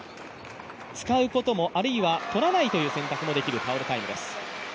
使うことも、あるいはとらないという選択もできるタオルタイムです。